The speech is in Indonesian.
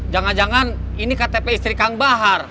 jangan jangan ini ktp istri kang bahar